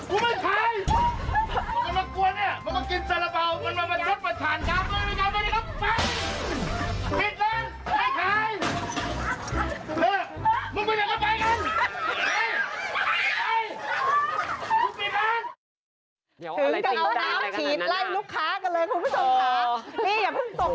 ถึงกับเอาที่สุดทีทไล่ลูกค้ากันเลยนะคะคุณผู้ชม